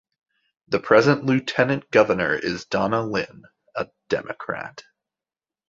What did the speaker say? The present lieutenant governor is Donna Lynne, a Democrat.